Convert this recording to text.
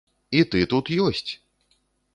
І ты тут ёсць!